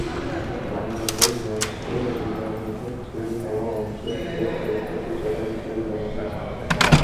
বাংলাদেশ ব্যাংকের রিজার্ভের চুরি হওয়া অংশের প্রায় দেড় কোটি ডলার হিসাবে জমা হয়েছে।